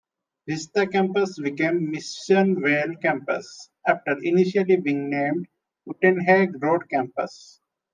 Vista campus became Missionvale campus, after initially being named Uitenhage Road campus.